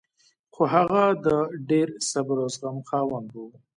خو هغه د ډېر صبر او زغم خاوند و